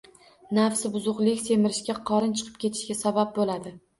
Nafsi buzuqlik semirishga, qorin chiqib ketishiga sabab bo‘ladi.